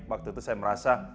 waktu itu saya merasa